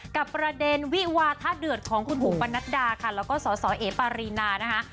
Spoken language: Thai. กับประเด็นวิวาทะเดือดของคุณหูปะนัดดาค่ะแล้วก็สสเอปารีนานะคะ